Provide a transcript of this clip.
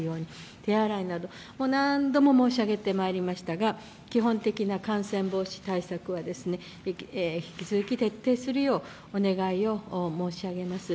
手洗いなど、何度も申し上げてまいりましたが、基本的な感染防止対策は引き続き徹底するようお願いを申し上げます。